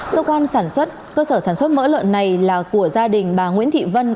cơ quan sản xuất cơ sở sản xuất mỡ lợn này là của gia đình bà nguyễn thị vân